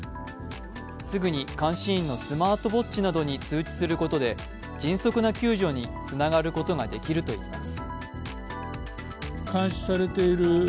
すぐに監視員のスマートウォッチなどに通知することで迅速は救助につながることができるといいます。